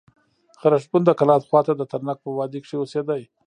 خرښبون د کلات خوا ته د ترنک په وادي کښي اوسېدئ.